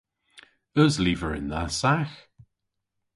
Eus lyver yn dha sagh?